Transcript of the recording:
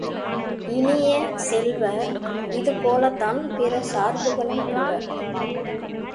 இனிய செல்வ, இது போலத்தான் பிற சார்புகளும் கூட!